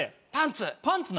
パンツ。